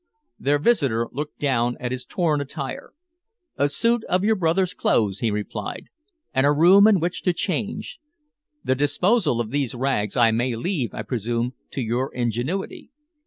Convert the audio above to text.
Their visitor looked down at his torn attire. "A suit of your brother's clothes," he replied, "and a room in which to change. The disposal of these rags I may leave, I presume, to your ingenuity."